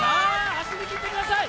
走り切ってください。